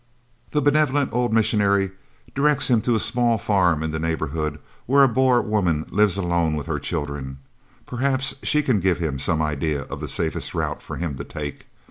The benevolent old missionary directs him to a small farm in the neighbourhood where a Boer woman lives alone with her little children. Perhaps she can give him some idea of the safest route for him to take.